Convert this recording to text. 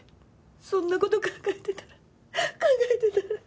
そんなこと考えてたら考えてたら。